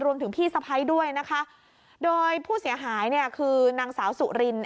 รวมถึงพี่สะพ้ายด้วยนะคะโดยผู้เสียหายคือนางสาวสุริน